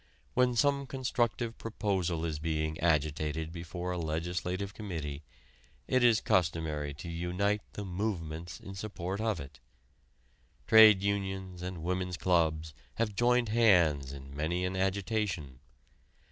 When some constructive proposal is being agitated before a legislative committee, it is customary to unite the "movements" in support of it. Trade unions and women's clubs have joined hands in many an agitation.